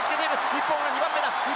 日本が２番目だ。